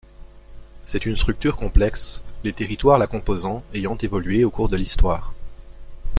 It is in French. C'est une structure complexe, les territoires la composant ayant évolué au cours de l'histoire.